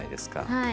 はい。